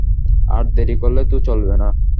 আর দেরি করলে তো চলবে না।